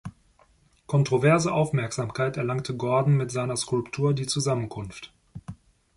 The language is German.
Kontroverse Aufmerksamkeit erlangte Gordon mit seiner Skulptur "Die Zusammenkunft".